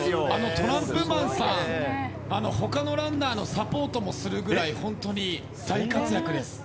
トランプマンさん他のランナーのサポートもするぐらい本当に大活躍です。